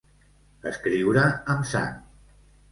Escriure amb sang.